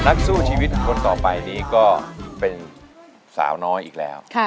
นักสู้ชีวิตคนต่อไปนี้ก็เป็นสาวน้อยอีกแล้ว